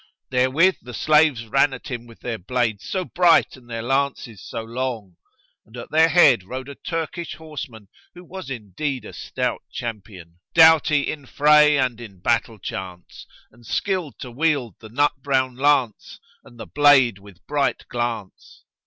Therewith the slaves ran at him with their blades so bright and their lances so long; and at their head rode a Turkish horseman who was indeed a stout champion, doughty in fray and in battle chance and skilled to wield the nut brown lance and the blade with bright glance.